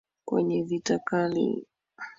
Kwenye vita kali.